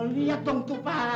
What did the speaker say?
lihat dong tuh pak